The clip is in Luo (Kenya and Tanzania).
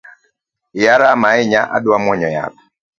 Iya rama ahinya adwa mwonyo yath